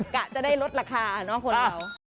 กะจะได้ลดราคาเนอะคนเรา